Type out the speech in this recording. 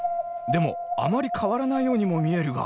でもあまり変わらないようにも見えるが？